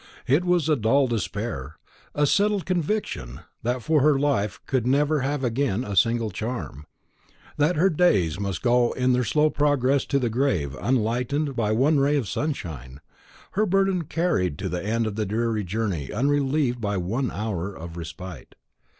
It was a dull despair, a settled conviction that for her life could never have again a single charm, that her days must go on in their slow progress to the grave unlightened by one ray of sunshine, her burden carried to the end of the dreary journey unrelieved by one hour of respite.